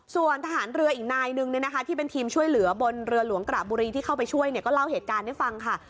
ส่วนทหารเรืออีกนายนึงที่เป็นทีมช่วยเหลือบนเรือหลวงกระบุรีที่เข้าไปช่วยก็เล่าเหตุการณ์ให้ฟังค่ะ